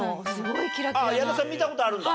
矢田さん見た事あるんだ。